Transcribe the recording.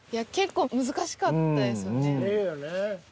結構難しかったですよね。